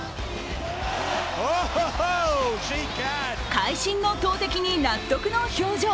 会心の投てきに納得の表情。